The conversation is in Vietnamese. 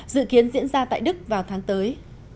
dự kiến diễn ra tại đức vào tháng tới